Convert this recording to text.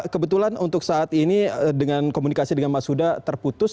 kebetulan untuk saat ini dengan komunikasi dengan mas huda terputus